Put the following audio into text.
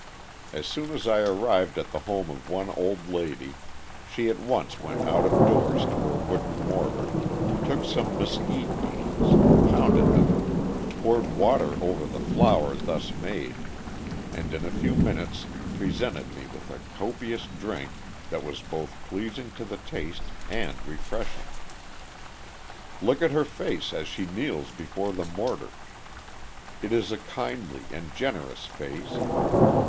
As soon as I arrived at the home of one old lady, she at once went out of doors to her wooden mortar, took some mesquite beans, pounded them, poured water over the flour thus made, and in a few minutes presented me with a copious drink that was both pleasing to the taste and refreshing. Look at her face as she kneels before the mortar. It is a kindly and generous face.